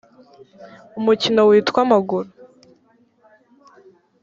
umukino witwa amaguru